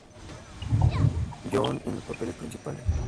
John en los papeles principales.